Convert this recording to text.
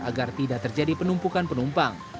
agar tidak terjadi penumpukan penumpang